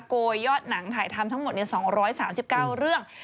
โกยยอดหนังถ่ายทำทั้งหมด๒๓๙เรื่อง